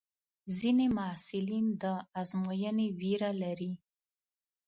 ځینې محصلین د ازموینې وېره لري.